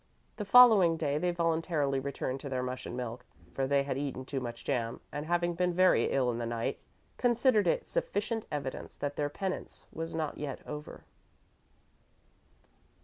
The following day, they voluntarily returned to their mush and milk, for they had eaten too much jam, and, having been very ill in the night, considered it sufficient evidence that their penance was not yet over.